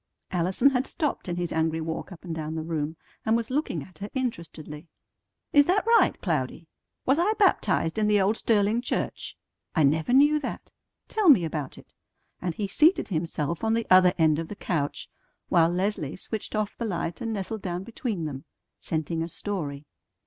'" Allison had stopped in his angry walk up and down the room, and was looking at her interestedly. "Is that right, Cloudy? Was I baptized in the old Sterling church? I never knew that. Tell me about it," and he seated himself on the other end of the couch, while Leslie switched off the light and nestled down between them, scenting a story.